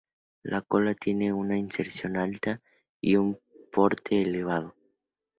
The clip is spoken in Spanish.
La cola tiene una inserción alta y un porte elevado.